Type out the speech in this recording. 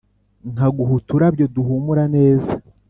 Nkaguha uturabyo duhumura neza